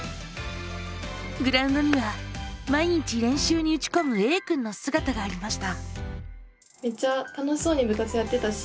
グラウンドには毎日練習に打ちこむＡくんのすがたがありました。